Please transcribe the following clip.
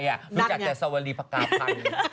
รู้จักแต่สวรีปากกาภัง